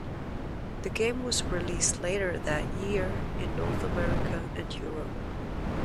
The game was released later that year in North America and Europe.